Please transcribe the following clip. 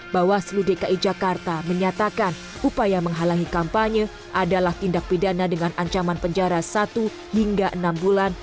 bawaslu dki jakarta menyatakan upaya menghalangi kampanye adalah tindak pidana dengan ancaman penjara satu hingga enam bulan